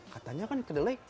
katanya kan kedelai